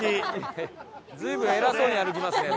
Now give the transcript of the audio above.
随分偉そうに歩きますね